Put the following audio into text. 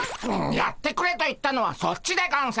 やってくれと言ったのはそっちでゴンス。